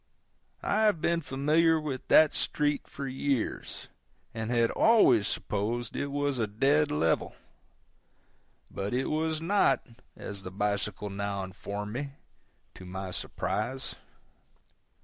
I have been familiar with that street for years, and had always supposed it was a dead level; but it was not, as the bicycle now informed me, to my surprise.